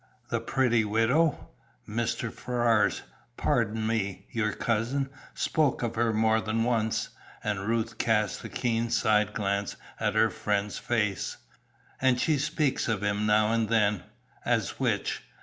"The pretty widow? Mr. Ferrars, pardon me, your cousin, spoke of her more than once," and Ruth cast a keen side glance at her friend's face. "And she speaks of him, now and then." "As which?"